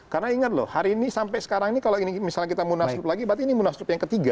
karena ingat loh hari ini sampai sekarang ini kalau misalnya kita munaslup lagi berarti ini munaslup yang ketiga